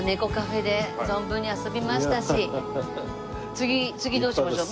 次次どうしましょう。